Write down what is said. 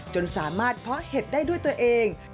จนสามารถเพาะเห็ดได้ด้วยตัวเอง